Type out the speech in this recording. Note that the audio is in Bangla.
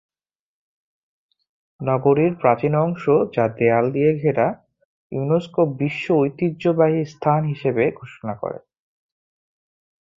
নগরীর প্রাচীন অংশ যা দেয়াল দিয়ে ঘেরা, ইউনেস্কো বিশ্ব ঐতিহ্যবাহী স্থান হিসেবে ঘোষণা করে।